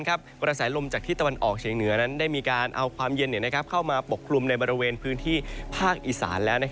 กระแสลมจากที่ตะวันออกเฉียงเหนือนั้นได้มีการเอาความเย็นเข้ามาปกคลุมในบริเวณพื้นที่ภาคอีสานแล้ว